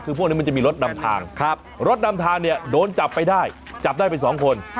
คือพวกนี้มันจะมีรถนำทางรถนำทางเนี่ยโดนจับไปได้จับได้ไปสองคน